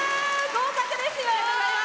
合格ですよ。